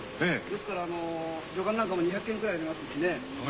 ですからあのりょかんなんかも２００けんくらいありますしね。